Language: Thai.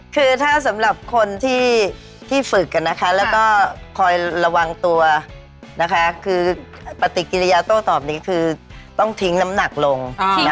คือถ้าสำหรับคนที่ฝึกแล้วก็คอยระวังตัวคือปฏิกิริยาโต้ตอบนี้คือต้องทิ้งน้ำหนักลง